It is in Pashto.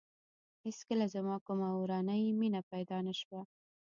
هېڅکله زما کومه اورنۍ مینه پیدا نه شوه.